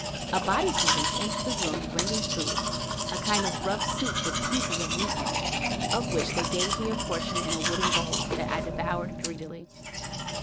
Abati servants entered the room bringing food, a kind of rough soup with pieces of meat in it of which they gave me a portion in a wooden bowl that I devoured greedily.